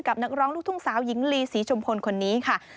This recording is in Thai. นักร้องลูกทุ่งสาวหญิงลีศรีชุมพลคนนี้ค่ะ